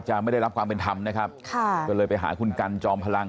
ไม่ได้รับความเป็นธรรมนะครับค่ะก็เลยไปหาคุณกันจอมพลัง